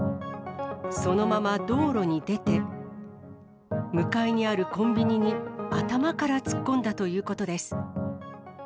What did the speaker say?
そのまま道路に出て、向かいにあるコンビニに頭から突っ込んだということです。